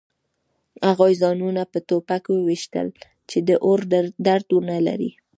هغوی ځانونه په ټوپک ویشتل چې د اور درد ونلري